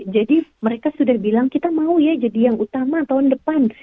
jadi mereka sudah bilang kita mau ya jadi yang utama tahun depan